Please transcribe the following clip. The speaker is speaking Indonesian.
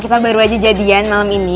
kita baru aja jadian malam ini